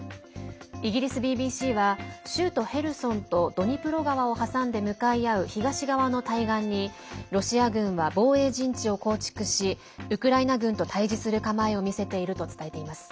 イギリスＢＢＣは州都ヘルソンとドニプロ川を挟んで向かい合う東側の対岸にロシア軍は防衛陣地を構築しウクライナ軍と対じする構えを見せていると伝えています。